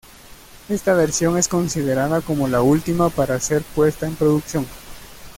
Esta versión es considerada como la última para ser puesta en producción.